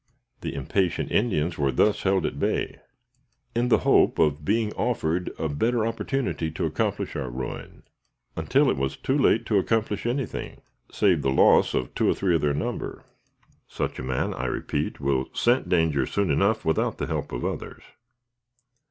The impatient Indians were thus held at bay, in the hope of being offered a better opportunity to accomplish our ruin, until it was too late to accomplish anything save the loss of two or three of their number. Such a man, I repeat, will scent danger soon enough without the help of others."